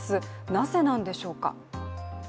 なぜなんでしょうか。